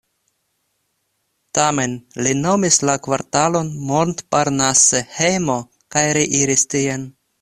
Tamen, li nomis la kvartalon Montparnasse hejmo kaj reiris tien.